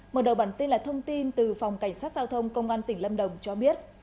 mở đầu bản tin là thông tin từ phòng cảnh sát giao thông công an tỉnh lâm đồng cho biết